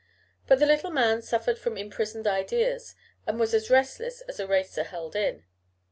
But the little man suffered from imprisoned ideas, and was as restless as a racer held in.